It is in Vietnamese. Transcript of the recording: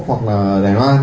hoặc là đài loan